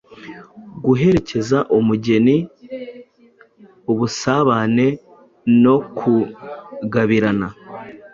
guherekeza umugeni, ubusabane nokugabirana